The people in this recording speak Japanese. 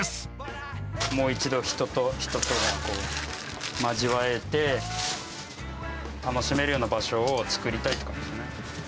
もう一度、人と人とがまじわえて、楽しめるような場所を作りたいですね。